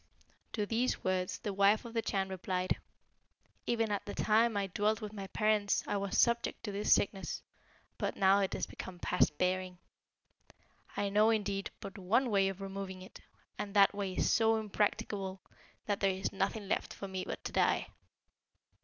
To these words the wife of the Chan replied, 'Even at the time I dwelt with my parents I was subject to this sickness. But now it is become past bearing. I know, indeed, but one way of removing it; and that way is so impracticable, that there is nothing left for me but to die.'